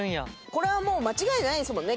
これはもう間違いないですもんね。